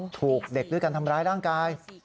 ถูกเด็กด้วยการทำร้ายร่างกาย